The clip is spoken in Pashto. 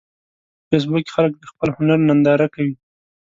په فېسبوک کې خلک د خپل هنر ننداره کوي